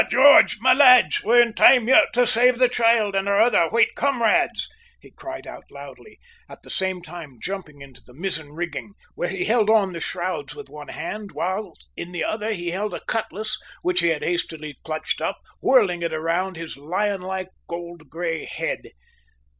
"By George! my lads, we're in time yet to save the child and our other white comrades!" he cried out loudly, at the same time jumping into the mizzen rigging, where he hung on the shrouds with one hand, while in the other he held a cutlass which he had hastily clutched up, whirling it round his lionlike old grey head.